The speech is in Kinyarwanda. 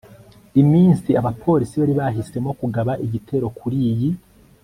iminsi, abapolisi bari bahisemo kugaba igitero kuriyi